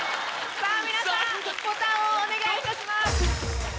さぁ皆さんボタンをお願いいたします。